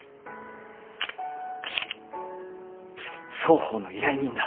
双方の依頼人だ。